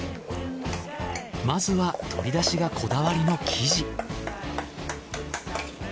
まずはとり出汁がこだわりの生地。